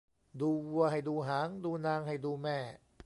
ดูวัวให้ดูหาง ดูนางให้ดูแม่